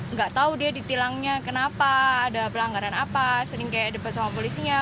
nggak tau dia di tilangnya kenapa ada pelanggaran apa sering kayak debet sama polisinya